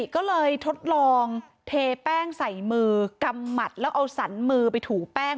ก็เลยทดลองเทแป้งใส่มือกำหมัดแล้วเอาสรรมือไปถูแป้ง